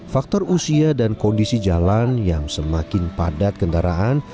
faktor usia dan kondisi jalan yang semakin padat kendaraan